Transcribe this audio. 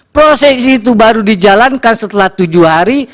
proses itu baru dijalankan setelah tujuh hari